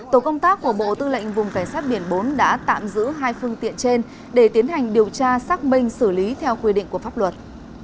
tổ công tác của bộ tư lệnh vùng cảnh sát biển bốn đã tạm giữ hai phương tiện trên để tiến hành điều tra xác minh xử lý theo quy định của pháp luật